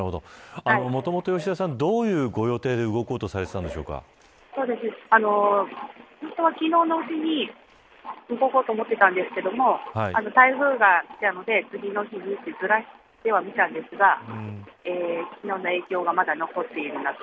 もともと吉田さんどういうご予定で動こうと本当は昨日のうちに動こうと思ってたんですが台風がきたので、次の日にずらしてはみたんですがまだ影響が残っているなと。